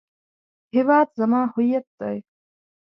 هیواد زما هویت دی